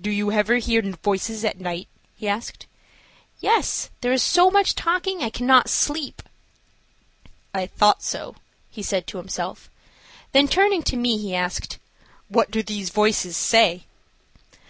"Do you ever hear voices at night?" he asked. "Yes, there is so much talking I cannot sleep." "I thought so," he said to himself. Then turning to me, he asked: "What do these voices say?"